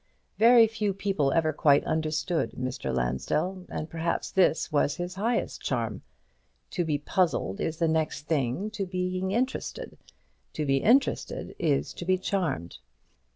Very few people ever quite understood Mr. Lansdell, and perhaps this was his highest charm. To be puzzled is the next thing to being interested; to be interested is to be charmed.